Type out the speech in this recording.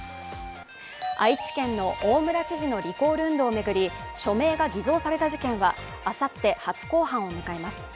愛知県の大村知事のリコール運動を巡り署名が偽造された事件はあさって初公判を迎えます。